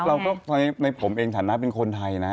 เราก็ในผมเองฐานะเป็นคนไทยนะ